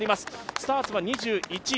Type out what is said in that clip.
スターツが２１位。